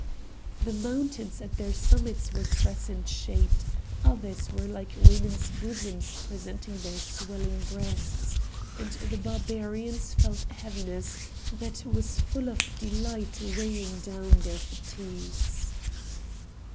The mountains at their summits were crescent shaped; others were like women's bosoms presenting their swelling breasts, and the Barbarians felt a heaviness that was full of delight weighing down their fatigues.